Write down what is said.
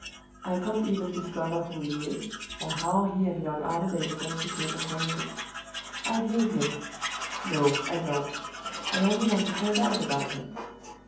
I can't even discover who he is, or how he and young Armadale first became acquainted. I hate him. No, I don't; I only want to find out about him.